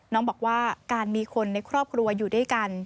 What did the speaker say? น้องบอกว่าการมีคนในครอบครัวอยู่ด้วยกัน